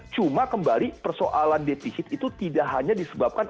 cuma kembali persoalan defisit itu tidak hanya disebabkan